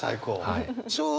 はい。